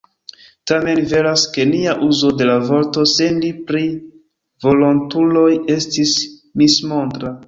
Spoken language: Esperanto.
Tamen veras, ke nia uzo de la vorto "sendi" pri volontuloj estis mismontra.